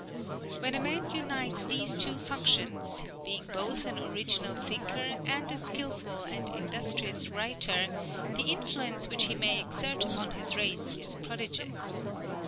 When a man unites these two functions, being both an original thinker and a skilful and industrious writer, the influence which he may exert upon his race is prodigious.